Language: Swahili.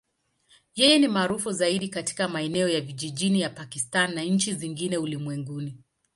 Yeye ni maarufu zaidi katika maeneo ya vijijini ya Pakistan na nchi zingine ulimwenguni.